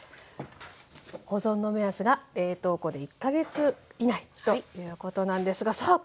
保存の目安が冷凍庫で１か月以内ということなんですがさあ